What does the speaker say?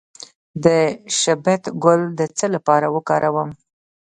د شبت ګل د څه لپاره وکاروم؟